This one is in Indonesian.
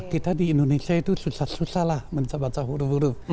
kita di indonesia itu susah susah lah mencoba huruf huruf